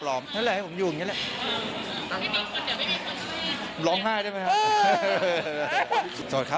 โหวแก่แล้วอยู่อย่างนี้แหละ